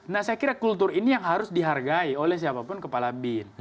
nah saya kira kultur ini yang harus dihargai oleh siapapun kepala bin